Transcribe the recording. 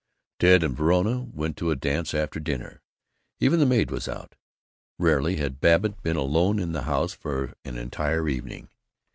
Ted and Verona went to a dance after dinner. Even the maid was out. Rarely had Babbitt been alone in the house for an entire evening.